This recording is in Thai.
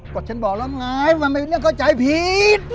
ก็ฉันบอกแล้วไงมันเป็นเรื่องเข้าใจผิด